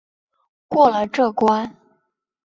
过了这关